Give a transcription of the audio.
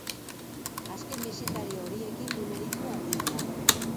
Azken bisitari horiekin du meritu handiena.